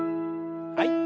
はい。